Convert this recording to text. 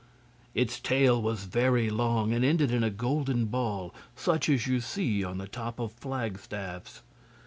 Its tail was very long and ended in a golden ball, such as you see on the top of flagstaffs.